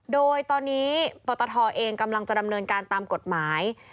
โดยตอนนี้ปตทเองกำลังจะดำเนินการตามกฎหมาย